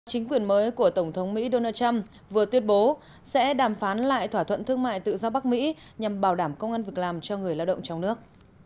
chính quyền mới của tổng thống mỹ donald trump vừa tuyên bố sẽ đàm phán lại thỏa thuận thương mại tự do bắc mỹ nhằm bảo đảm công an việc làm cho người lao động trong nước